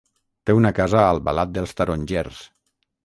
Té una casa a Albalat dels Tarongers.